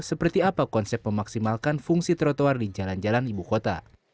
seperti apa konsep memaksimalkan fungsi trotoar di jalan jalan ibu kota